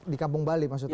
di kampung bali maksudnya